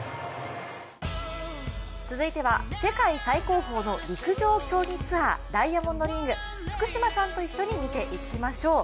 続いては世界最高峰の陸上競技ツアーダイヤモンドリーグ、福島さんと一緒に見ていきましょう。